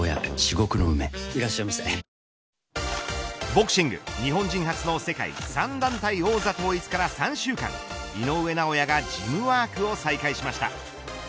ボクシング日本人初の世界３団体王座統一から３週間井上尚弥がジムワークを再開しました。